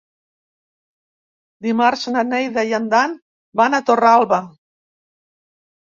Dimarts na Neida i en Dan van a Torralba.